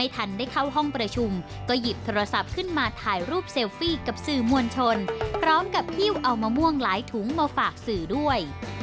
เต็มโทนพร้อมกับพี่เอามะม่วงหลายถุงมาฝากสื่อด้วย